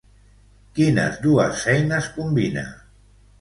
Quines dues feines combina?